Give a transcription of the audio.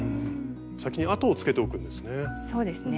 先に跡をつけておくんですね。